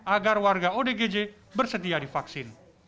agar warga odgj bersedia divaksin